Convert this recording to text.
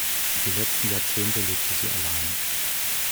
Die letzten Jahrzehnte lebte sie allein.